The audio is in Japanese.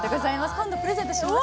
今度プレゼントします。